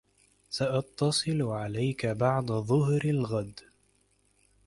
سأتصل عليك بعد ظهر الغد.